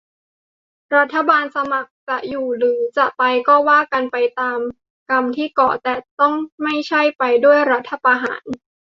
รัฐบาลสมัครจะอยู่หรือจะไป ก็ว่ากันไปตามกรรมที่ก่อ - แต่ต้องไม่ใช่ไปด้วยรัฐประหาร